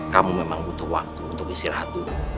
kamu memang butuh waktu untuk istirahat